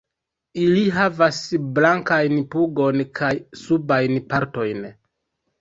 Ili havas blankajn pugon kaj subajn partojn.